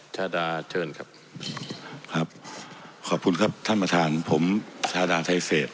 ชาดาเชิญครับครับขอบคุณครับท่านประธานผมชาดาไทเศษ